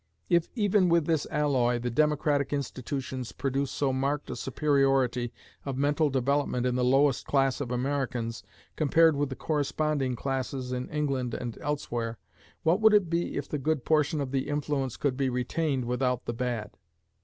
If, even with this alloy, democratic institutions produce so marked a superiority of mental development in the lowest class of Americans, compared with the corresponding classes in England and elsewhere, what would it be if the good portion of the influence could be retained without the bad?